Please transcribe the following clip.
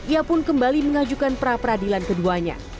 ia pun kembali mengajukan pra peradilan keduanya